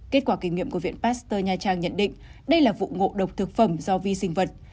kết quả kiểm nghiệm của viện pasteur nha trang nhận định đây là vụ ngộ độc thực phẩm do vi sinh vật